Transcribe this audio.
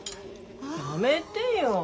やめてよ。